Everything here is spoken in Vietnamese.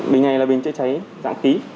bình này là bình chữa cháy dạng khí